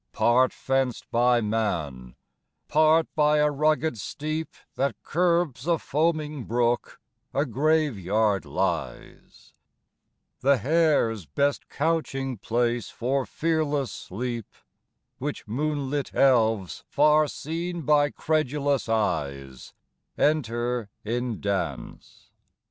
] Part fenced by man, part by a rugged steep That curbs a foaming brook, a Grave yard lies; The hare's best couching place for fearless sleep; Which moonlit elves, far seen by credulous eyes, Enter in dance.